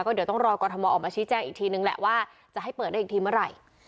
เดี๋ยวต้องรอกรทมออกมาชี้แจ้งอีกทีนึงแหละว่าจะให้เปิดได้อีกทีเมื่อไหร่